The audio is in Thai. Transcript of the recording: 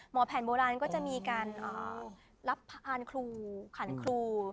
หมอแผนโบราณมีการรับอานครูขันครู